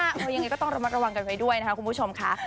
อย่างนี้ก็ต้องระวังกันไว้ด้วยนะครับคุณผู้ชมคะ